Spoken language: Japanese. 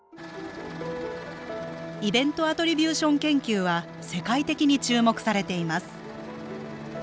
イベント・アトリビューション研究は世界的に注目されています